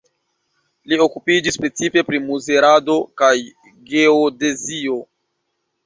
Li okupiĝis precipe pri mezurado kaj geodezio.